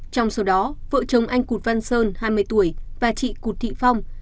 trong số đó vợ chồng anh cụt văn sơn hai mươi tuổi và chị cụt thị phong